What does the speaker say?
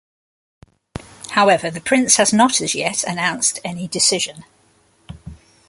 However, the Prince has not as yet announced any decision.